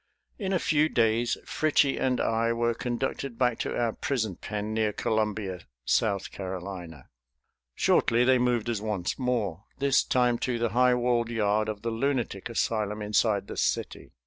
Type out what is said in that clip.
In a few days Fritchie and I were conducted back to our prison pen near Columbia, South Carolina. Shortly they moved us once more. This time to the high walled yard of the lunatic asylum, inside the city.